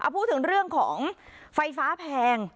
พูดถึงเรื่องของไฟฟ้าแพง